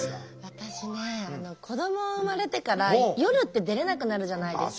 私ね子ども生まれてから夜って出れなくなるじゃないですか。